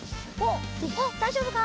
おっだいじょうぶか？